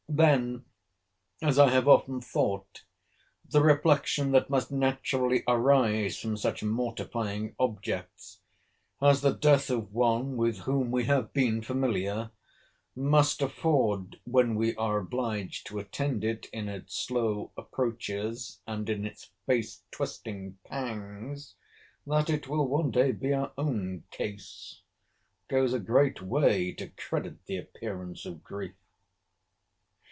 Then, as I have often thought, the reflection that must naturally arise from such mortifying objects, as the death of one with whom we have been familiar, must afford, when we are obliged to attend it in its slow approaches, and in its face twisting pangs, that it will one day be our own case, goes a great way to credit the appearance of grief.